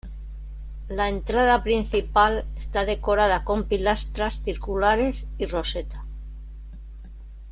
La entrada principal está decorada con pilastras circulares y roseta.